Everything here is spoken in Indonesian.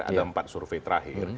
ada empat survei terakhir